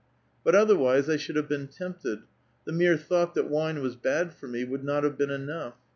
But otherwise I should have been tempted ; the mere thought that wine was bad for me would not have been enough.